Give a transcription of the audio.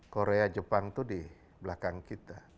korea jepang itu di belakang kita